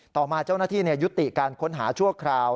ต่อมาเจ้าหน้าที่ยุติการค้นหาชั่วคราว